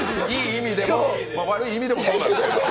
悪い意味でもそうなんですけれども。